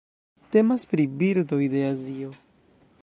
Temas pri birdoj de Azio.